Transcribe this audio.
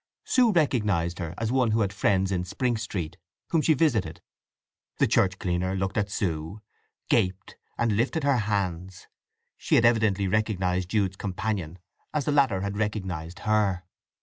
Sue recognized her as one who had friends in Spring Street, whom she visited. The church cleaner looked at Sue, gaped, and lifted her hands; she had evidently recognized Jude's companion as the latter had recognized her.